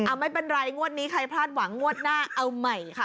ไม่เป็นไรงวดนี้ใครพลาดหวังงวดหน้าเอาใหม่ค่ะ